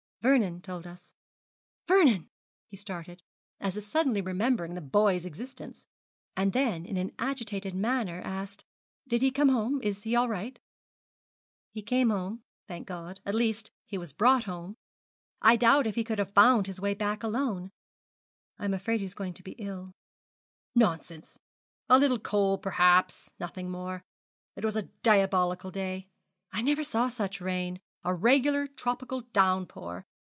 'Vernon told us.' 'Vernon!' He started, as if suddenly remembering the boy's existence; and then in an agitated manner asked, 'Did he come home? Is he all right?' 'He came home, thank God; at least, he was brought home. I doubt if he could have found his way back alone. I am afraid he is going to be ill.' 'Nonsense! a little cold, perhaps; nothing more. It was a diabolical day. I never saw such rain a regular tropical down pour.